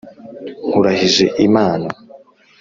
Nkurahije imana